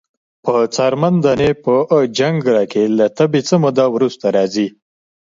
په څرمن دانی په جنکره کښی له تبی څه موده وروسته راځی۔